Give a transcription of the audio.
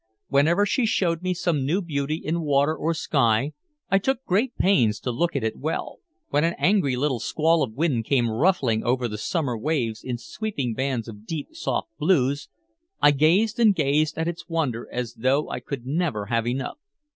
Whenever she showed me some new beauty in water or sky I took great pains to look at it well. When an angry little squall of wind came ruffling over the sunny waves in sweeping bands of deep, soft blues, I gazed and gazed at its wonder as though I could never have enough.